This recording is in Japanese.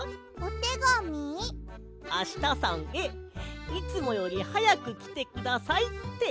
「あしたさんへいつもよりはやくきてください」って。